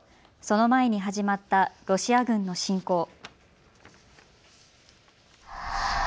その前に始まったロシア軍の侵攻。